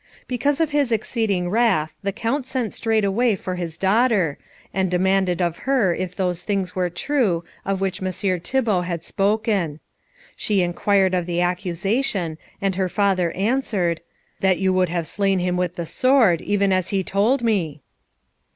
Because of his exceeding wrath the Count sent straightway for his daughter, and demanded of her if those things were true of which Messire Thibault had spoken. She inquired of the accusation, and her father answered, "That you would have slain him with the sword, even as he has told me?"